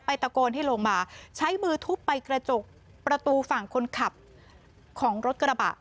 ตะโกนให้ลงมาใช้มือทุบไปกระจกประตูฝั่งคนขับของรถกระบะ